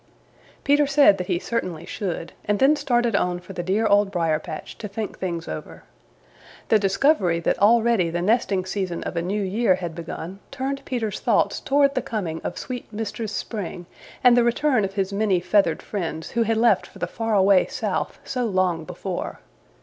Peter said that he certainly should, and then started on for the dear Old Briar patch to think things over. The discovery that already the nesting season of a new year had begun turned Peter's thoughts towards the coming of sweet Mistress Spring and the return of his many feathered friends who had left for the far away South so long before.